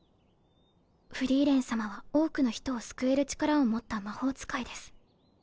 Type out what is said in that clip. フリーレン様は多くの人を救える力を持った魔法使いです。